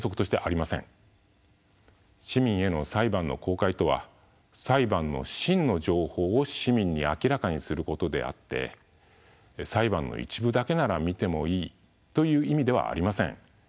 市民への裁判の公開とは裁判の真の情報を市民に明らかにすることであって裁判の一部だけなら見てもいいという意味ではありません。